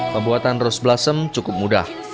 pembuatan rose blossom cukup mudah